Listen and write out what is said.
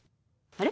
あれ？